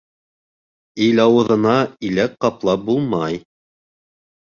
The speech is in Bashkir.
Ил ауыҙына иләк ҡаплап булмай.